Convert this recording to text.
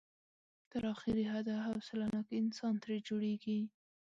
تر اخري حده حوصله ناک انسان ترې جوړېږي.